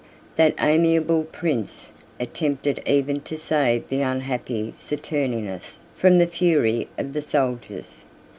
That amiable prince attempted even to save the unhappy Saturninus from the fury of the soldiers.